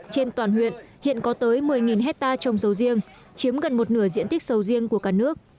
trên toàn huyện hiện có tới một mươi hectare trồng sầu riêng chiếm gần một nửa diện tích sầu riêng của cả nước